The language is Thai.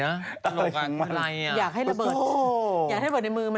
อยากให้ระเบิดอยากให้ระเบิดในมือมัน